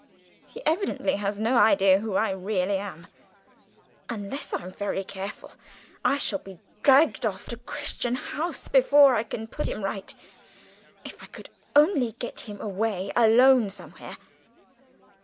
He evidently has no idea who I really am. Unless I'm very careful I shall be dragged off to Crichton House before I can put him right. If I could only get him away alone somewhere."